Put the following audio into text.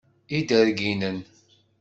Iderginen.